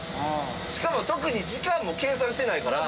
しかも特に時間も計算してないから。